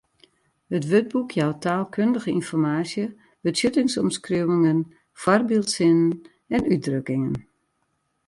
It wurdboek jout taalkundige ynformaasje, betsjuttingsomskriuwingen, foarbyldsinnen en útdrukkingen.